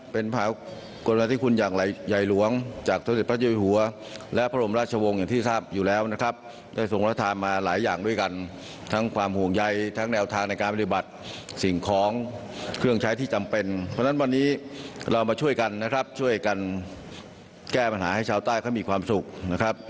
เพราะฉะนั้นวันนี้เรามาช่วยกันนะครับช่วยกันแก้ปัญหาให้ชาวใต้เขามีความสุขนะครับ